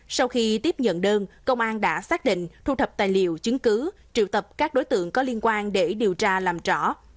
sau khi tiếp nhận đơn công an đã xác định thu thập tài liệu chứng cứ triệu tập các đối tượng có liên quan để điều tra làm rõ